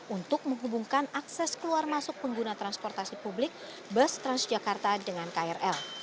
untuk menghubungkan akses keluar masuk pengguna transportasi publik bus transjakarta dengan krl